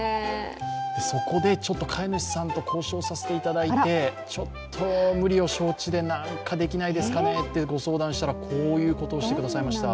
そこでちょっと飼い主さんと交渉させていただいてちょっと無理を承知で何かできないですかねとご相談したらこういうことをしてくれました。